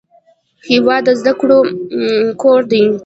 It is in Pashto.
هېواد د زده کړو کور دی.